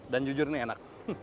dan jujur ini enak